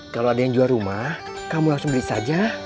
kalau ada yang jual rumah kamu langsung beli saja